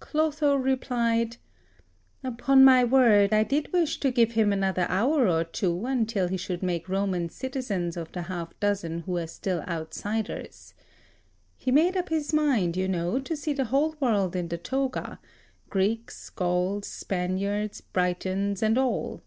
90] Clotho replied: "Upon my word, I did wish to give him another hour or two, until he should make Roman citizens of the half dozen who are still outsiders. (He made up his mind, you know, to see the whole world in the toga, Greeks, Gauls, Spaniards, Britons, and all.)